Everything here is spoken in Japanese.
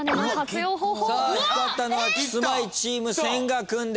光ったのはキスマイチーム千賀君です。